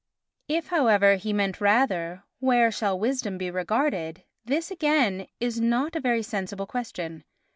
If however he meant rather "Where shall wisdom be regarded?" this, again, is not a very sensible question.